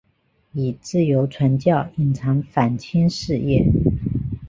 以自由传教隐藏反清事业。